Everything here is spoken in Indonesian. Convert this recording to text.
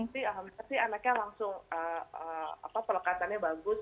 tapi alhamdulillah anaknya langsung pelekatannya bagus